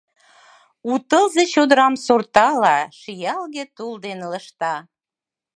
У тылзе чодырам сортала шиялге тул ден ылыжта.